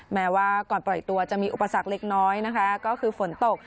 แม้ว่าก่อนปล่อยตัวจะมีอุปสรรคเล็กน้อยนะคะก็คือฝนตก